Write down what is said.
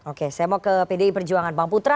oke saya mau ke pdi perjuangan bang putra